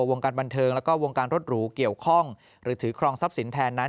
วงการบันเทิงแล้วก็วงการรถหรูเกี่ยวข้องหรือถือครองทรัพย์สินแทนนั้น